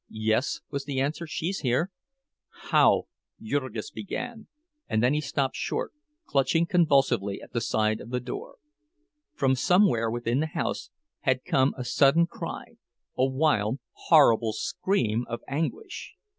"Yes," was the answer, "she's here." "How—" Jurgis began, and then stopped short, clutching convulsively at the side of the door. From somewhere within the house had come a sudden cry, a wild, horrible scream of anguish.